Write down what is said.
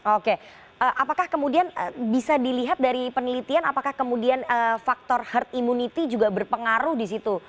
oke apakah kemudian bisa dilihat dari penelitian apakah kemudian faktor herd immunity juga berpengaruh di situ